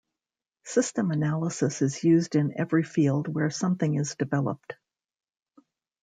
System analysis is used in every field where something is developed.